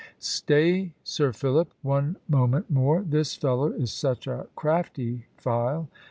"Stay, Sir Philip; one moment more. This fellow is such a crafty file.